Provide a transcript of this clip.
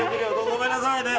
ごめんなさいね。